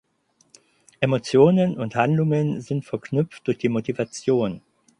Emotionen und Handlungen sind verknüpft durch die Motivation.